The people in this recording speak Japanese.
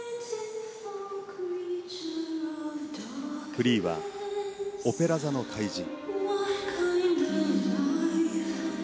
フリーは「オペラ座の怪人」。